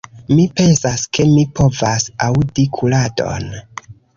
Mi pensas, ke mi povas aŭdi kuradon.